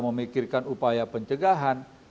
memikirkan upaya pencegahan